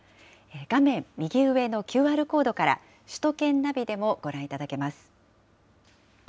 画面右上のＱＲコードから、首都圏ナビでもご覧いただけます。